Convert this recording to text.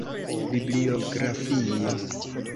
Bibliografio.